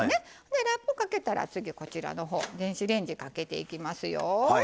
ラップかけたら次こちらのほう電子レンジかけていきますよ。